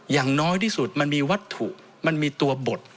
อย่างน้อยที่สุดมันมีวัตถุมันมีตัวบท